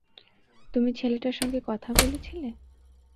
তুমি ছেলেটার সাথে কথা বলেছিলে?